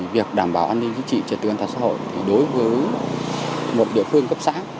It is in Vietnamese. việc đảm bảo an ninh chính trị trật tự an toàn xã hội đối với một địa phương cấp xã